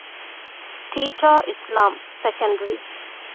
ޓީޗަރ އިސްލާމް، ސެކަންޑްރީ